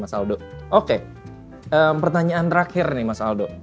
mas aldo oke pertanyaan terakhir nih mas aldo